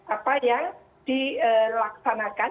apa yang dilaksanakan